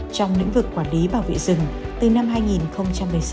trong lĩnh vực quản lý bảo vệ rừng từ năm hai nghìn một mươi sáu